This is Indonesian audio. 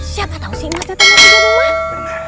siapa tau si emasnya tengah tidur di rumah